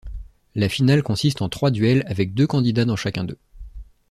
La finale consiste en trois duels avec deux candidats dans chacun d'eux.